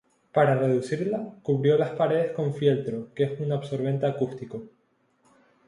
Para reducirla, cubrió las paredes con fieltro que es un absorbente acústico.